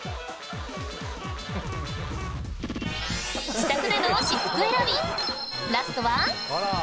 自宅での私服選びラストは？